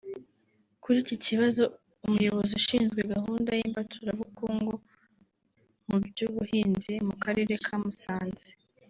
Kuri iki kibazo Umuyobozi ushinzwe gahunda y’imbaturabukungu mu by’ubuhinzi mu Karere ka Musanze